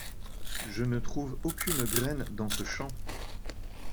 Je ne trouve aucune graine dans ce champ.